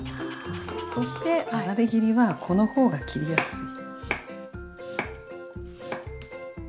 そしてあられ切りはこの方が切りやすい。